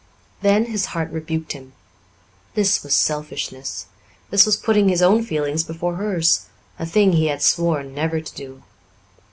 Then his heart rebuked him. This was selfishness; this was putting his own feelings before hers a thing he had sworn never to do.